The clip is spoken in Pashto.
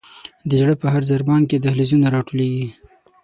د زړه په هر ضربان کې دهلیزونه را ټولیږي.